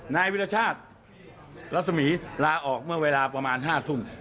นายวิรชาติรัศมีร์ลาออกเมื่อเวลาประมาณ๕ทุ่ม